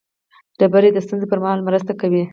ډبرې د ستونزو پر مهال مرسته کوي.